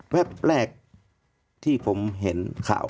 แป๊บแรกที่ผมเห็นข่าว